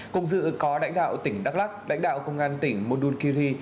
cùng dự có đảnh đạo tỉnh đắk lắc đảnh đạo công an tỉnh môn đun kyri